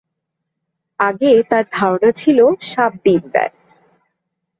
আগে তাঁর ধারণা ছিল সাপ ডিম দেয়।